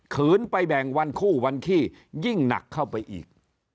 ขืนไปแบ่งวันคู่วันขี้ยิ่งหนักเข้าไปอีก